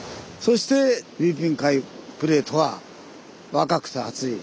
そしてフィリピン海プレートは若くて熱い。